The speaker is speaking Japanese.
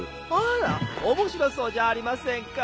あら面白そうじゃありませんか。